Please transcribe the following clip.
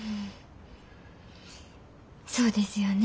そうですよね。